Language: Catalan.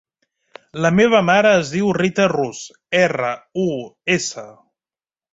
La meva mare es diu Rita Rus: erra, u, essa.